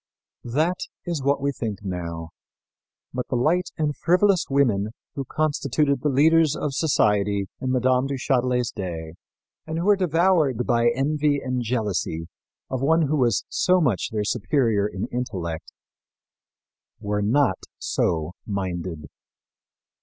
That is what we think now; but the light and frivolous women who constituted the leaders of society in Mme. du Châtelet's day, and who were devoured by envy and jealousy of one who was so much their superior in intellect were not so minded.